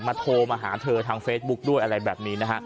โทรมาหาเธอทางเฟซบุ๊คด้วยอะไรแบบนี้นะฮะ